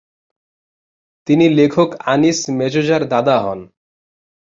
তিনি লেখক আনিস মেজজা’র দাদা হন।